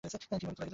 কী ভাবিতে লাগিলেন।